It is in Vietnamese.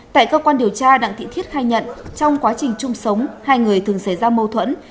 tại cơ quan điều tra đặng thị thiết khai nhận trong quá trình chung sống hai người thường xảy ra mâu thuẫn